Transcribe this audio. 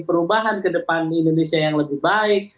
perubahan ke depan indonesia yang lebih baik